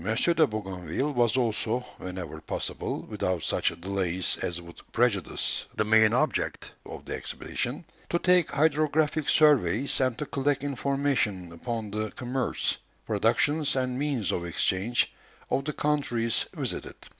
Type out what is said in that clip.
de Bougainville was also, whenever possible, without such delays as would prejudice the main object of the expedition, to take hydrographic surveys, and to collect information upon the commerce, productions, and means of exchange, of the countries visited.